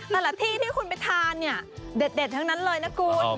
แต่ละที่ที่คุณไปทานเนี่ยเด็ดทั้งนั้นเลยนะคุณ